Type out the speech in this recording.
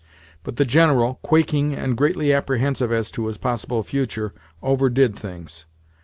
But the General, quaking and greatly apprehensive as to his possible future, overdid things.